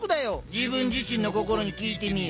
自分自身の心にきいてみよ。